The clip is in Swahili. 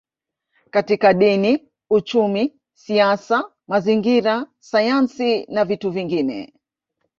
Katika Dini Uchumi Siasa Mazingira Sayansi na vitu vingine